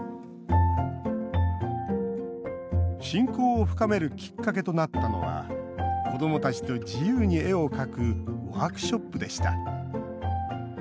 親交を深めるきっかけとなったのは子どもたちと自由に絵を描くワークショップでした。